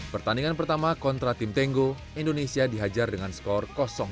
pertandingan pertama kontra tim tenggo indonesia dihajar dengan skor dua